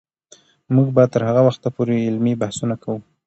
موږ به تر هغه وخته پورې علمي بحثونه کوو.